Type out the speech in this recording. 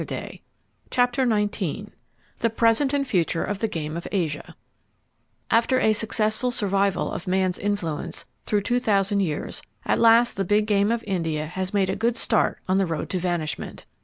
[Page 188] CHAPTER XIX THE PRESENT AND FUTURE OF THE GAME OF ASIA After a successful survival of man's influence through two thousand years, at last the big game of India has made a good start on the road to vanishment.